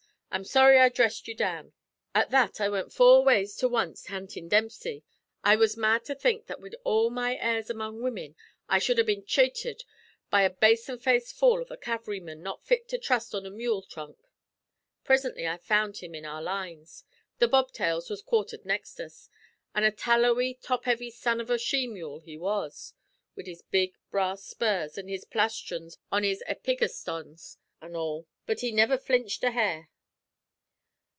I'm sorry I dhressed you down.' "At that I wint four ways to wanst huntin' Dempsey. I was mad to think that wid all my airs among women I shud ha' been ch'ated by a basin faced fool av a cav'lryman not fit to trust on a mule thrunk. Presintly I found him in our lines the Bobtails was quartered next us an' a tallowy, top heavy son av a she mule he was, wid his big brass spurs an' his plastrons on his epigastons an' all. But he niver flinched a hair.